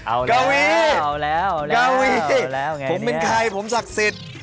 อ้าวแล้วเอาแล้วผมเป็นใครผมศักดิ์สิทธิ์